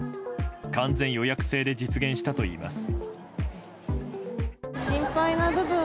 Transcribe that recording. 完全予約制で実現したといいます。